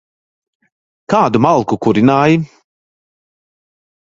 Kādu malku kurināji?